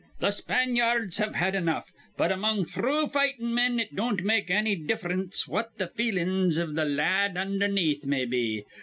Th' Spanyards have had enough, but among thrue fightin' men it don't make anny diff'rence what th' feelin's iv th' la ad undherneath may be.